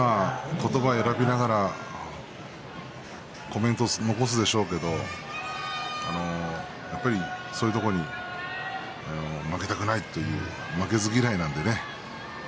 言葉を選びながらコメントを残すんでしょうけどそういうところに負けたくないという負けず嫌いなのでね